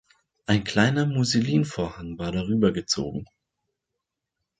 Ein kleiner Musselinvorhang war darüber gezogen.